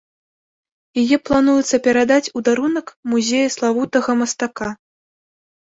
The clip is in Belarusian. Яе плануецца перадаць у дарунак музею славутага мастака.